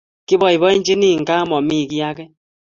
Kibaibaichini ingaa mami kiiy age